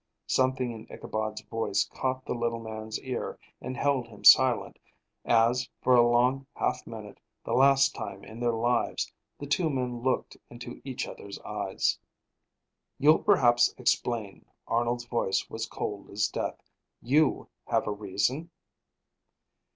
Something in Ichabod's voice caught the little man's ear and held him silent, as, for a long half minute, the last time in their lives, the two men looked into each other's eyes. "You'll perhaps explain." Arnold's voice was cold as death. "You have a reason?"